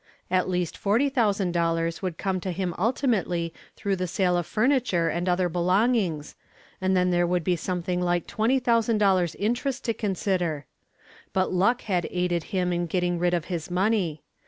At least $40,000 would come to him ultimately through the sale of furniture and other belongings, and then there would be something like $20,000 interest to consider. But luck had aided him in getting rid of his money.